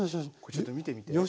ちょっと見てみて。